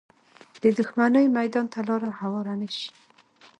د دښمنۍ میدان ته لاره هواره نه شي